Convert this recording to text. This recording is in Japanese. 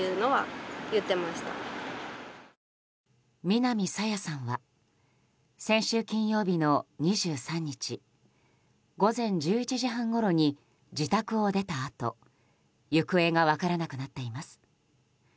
南朝芽さんは、先週金曜日の２３日午前１１時半ごろに自宅を出たあと行方が分からなくなっています。